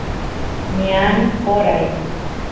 ñan qoray